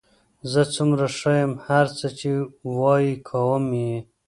زه څومره ښه یم، هر څه چې وایې کوم یې.